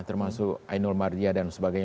termasuk ainul mardia dan sebagainya